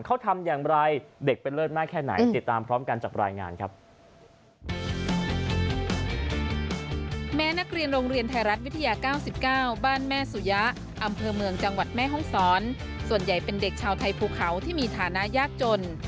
เขาทำอย่างไรเด็กเป็นเลิศมากแค่ไหน